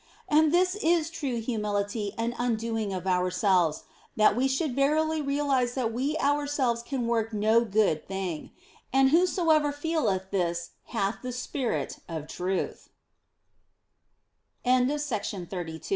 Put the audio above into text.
And this is true humility and undoing of ourselves, that we should verily realise that we ourselves can work no good thing ; and whosoever feeleth this hath the spirit of t